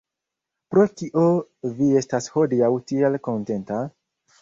Pro kio vi estas hodiaŭ tiel kontenta?